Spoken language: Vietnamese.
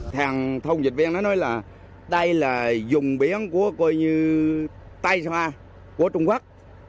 thằng thông dịch viên nói là đây là dùng biển của tây sa của trung quốc